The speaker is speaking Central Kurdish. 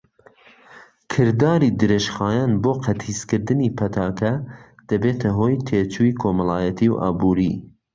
کرداری درێژخایەن بۆ قەتیسکردنی پەتاکە دەبێتە هۆی تێچووی کۆمەڵایەتی و ئابووری.